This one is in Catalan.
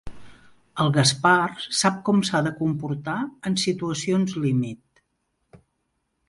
El Gaspar sap com s'ha de comportar en situacions límit.